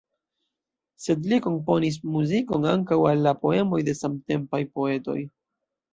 Sed li komponis muzikon ankaŭ al la poemoj de samtempaj poetoj.